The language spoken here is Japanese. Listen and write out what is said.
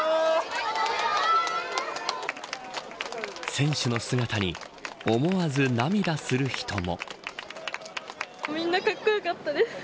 選手の姿に思わず涙する人も。